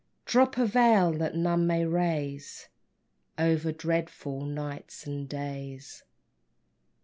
Drop a veil that none may raise Over dreadful nights and days.